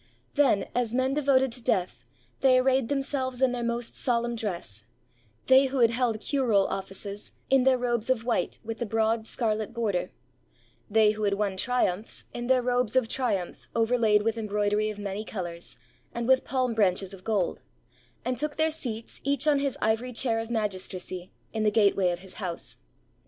Then, as men devoted to death, they arrayed themselves in their most solemn dress; they who had held curule offices, in their robes of white with the broad scarlet border; they who had won triumphs, in their robes of triumph overlaid with em broidery of many colors, and with palm branches of gold, and took their seats each on his ivory chair of magistracy in the gateway of his house.